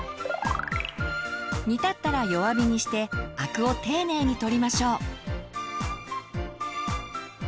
煮立ったら弱火にしてあくを丁寧に取りましょう。